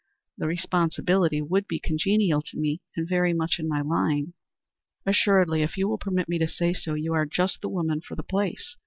The responsibility would be congenial to me and very much in my line." "Assuredly. If you will permit me to say so, you are just the woman for the place.